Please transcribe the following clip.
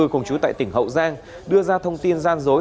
cùng chú tại tỉnh hậu giang đưa ra thông tin gian dối